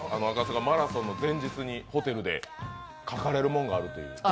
赤坂マラソンの前日にホテルで書かれるものがあるという。